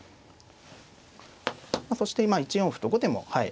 そして今１四歩と後手もはい。